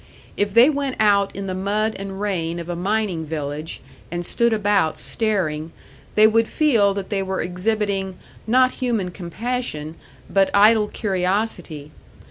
If they went out in the mud and rain of a mining village and stood about staring, they would feel that they were exhibiting, not human compassion, but idle curiosity.